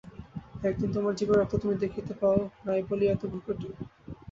একদিন তোমার জীবের রক্ত তুমি দেখিতে পাও নাই বলিয়া এত ভ্রূকুটি!